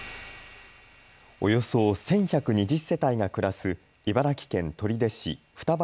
およそ１１２０世帯が暮らす茨城県取手市双葉